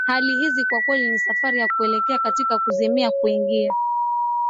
Hali hizi kwa kweli ni safari ya kuelekea katika kuzimia kuingia